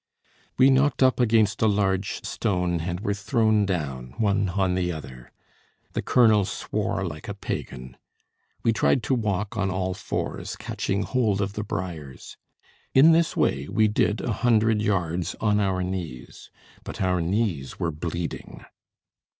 We knocked up against a large stone, and were thrown down one on the other. The colonel swore like a pagan. We tried to walk on all fours, catching hold of the briars. In this way we did a hundred yards on our knees. But our knees were bleeding.